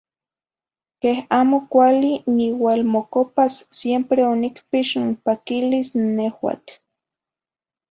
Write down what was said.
queh amo cuale niualmocopas, siempre onicpix n paquilis n nehuatl.